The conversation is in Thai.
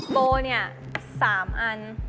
โบเนี่ย๓อัน